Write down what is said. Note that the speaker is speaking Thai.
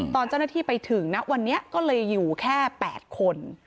ตอนเจ้าหน้าที่ไปถึงนะวันนี้ก็เลยอยู่แค่๘คน